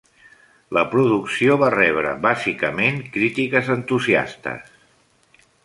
La producció va rebre bàsicament crítiques entusiastes.